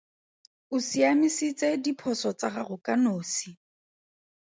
O siamisitse diphoso tsa gago ka nosi.